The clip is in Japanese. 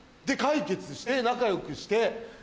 解決して仲良くして。